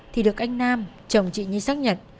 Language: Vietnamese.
thì được anh nam chồng chị nhi xác nhận